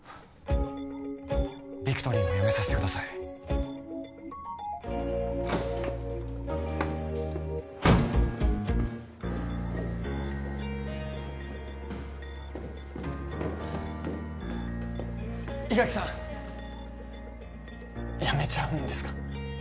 ビクトリーもやめさせてください伊垣さんやめちゃうんですか？